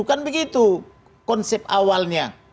kan begitu konsep awalnya